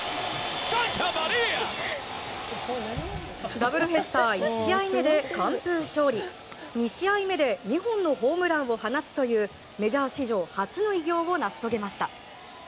ダブルヘッダー１試合目で完封勝利２試合目で２本のホームランを放つというメジャー史上初の偉業を成し遂げました。